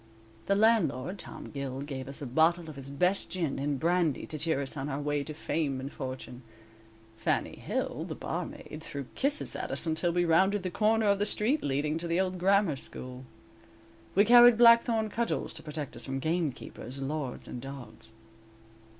The landlord, Tom Gill, gave us a bottle of his best gin and brandy to cheer us on our way to fame and fortune. Fannie Hill, the barmaid, threw kisses at us until we rounded the corner of the street leading to the old Grammar School. We carried blackthorn cudgels to protect us from gamekeepers, lords and dogs.